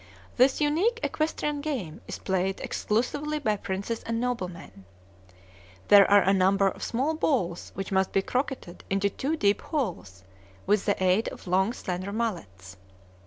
This unique equestrian game is played exclusively by princes and noblemen. There are a number of small balls which must be croqueted into two deep holes, with the aid of long slender mallets.